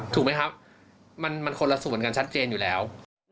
ถูกไหมครับมันคนละส่วนกันชัดเจนอยู่แล้ว